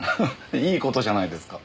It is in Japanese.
いい事じゃないですか。